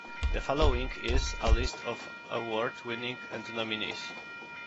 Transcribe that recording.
The following is a list of award winners and nominees.